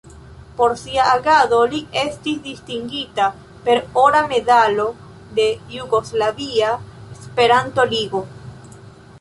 Por sia agado li estis distingita per Ora medalo de Jugoslavia Esperanto-Ligo.